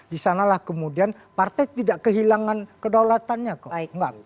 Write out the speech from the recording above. di sanalah kemudian partai tidak kehilangan kedaulatannya kok